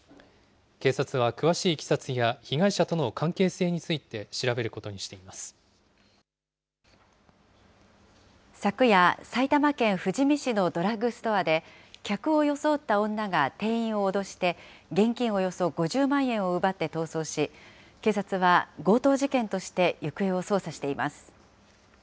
警察は詳しいいきさつや被害者との関係性について調べることにし昨夜、埼玉県富士見市のドラッグストアで、客を装った女が店員を脅して、現金およそ５０万円を奪って逃走し、警察は強盗事件として行方を捜査しています。